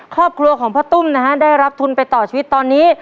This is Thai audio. ครอบครัวของพ่อตุ้มนะฮะได้รับทุนไปต่อชีวิตตอนนี้